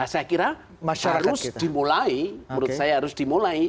saya kira harus dimulai menurut saya harus dimulai